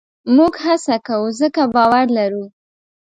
موږ هڅه کوو؛ ځکه باور لرو.